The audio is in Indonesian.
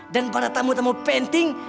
para tamu tamu penting